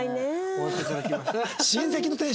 終わってから来ました。